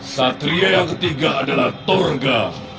satria yang ketiga adalah torga